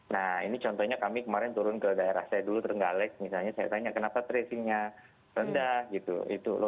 nah ini contohnya kami kemarin turun ke daerah saya dulu terenggalek misalnya saya tanya kenapa tracingnya rendah gitu loh